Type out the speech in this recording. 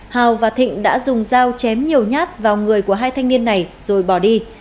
hào và thịnh đã dùng dao chém nhiều nhát vào người của hai thanh niên này rồi bỏ đi